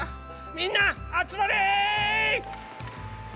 みんなあつまれ！